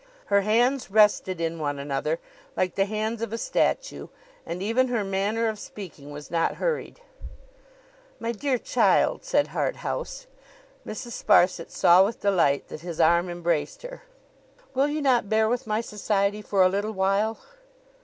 Her hands rested in one another, like the hands of a statue; and even her manner of speaking was not hurried. 'My dear child,' said Harthouse; Mrs. Sparsit saw with delight that his arm embraced her; 'will you not bear with my society for a little while?